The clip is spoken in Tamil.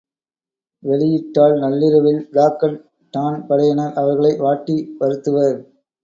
வெளியிட்டால் நள்ளிரவில் பிளாக் அண்டு டான் படையினர் அவர்களை வாட்டி வருத்துவர்.